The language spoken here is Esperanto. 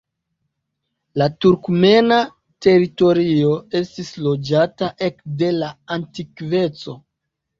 La turkmena teritorio estis loĝata ekde la antikveco.